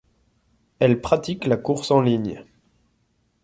Elle pratique la course en ligne.